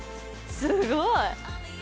すごい。